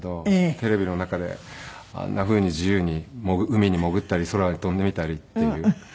テレビの中であんなふうに自由に海に潜ったり空を飛んでみたりっていう。